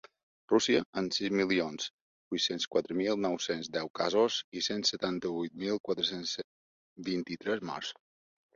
Rússia, amb sis milions vuit-cents quatre mil nou-cents deu casos i cent setanta-vuit mil quatre-cents vint-i-tres morts.